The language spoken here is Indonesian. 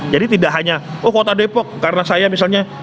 jadi tidak hanya oh kota depok karena saya misalnya